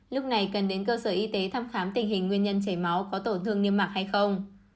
lúc này cần đến cơ sở y tế thăm khám tình hình nguyên nhân chảy máu có tổn thương niêm mạc hay không